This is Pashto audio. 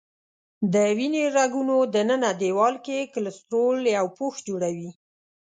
د وینې رګونو دننه دیوال کې کلسترول یو پوښ جوړوي.